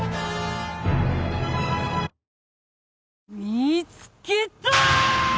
見つけたー！！